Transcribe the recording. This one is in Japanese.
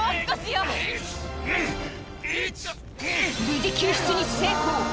無事救出に成功。